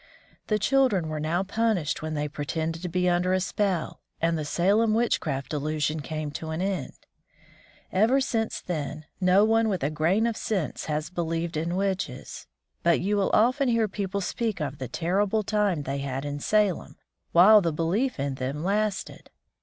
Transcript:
The children were now punished when they pretended to be under a spell, and the Salem witchcraft delusion came to an end. Ever since then, no one with a grain of sense has believed in witches; but you will often hear people speak of the terrible time they had in Salem while the belief in them lasted.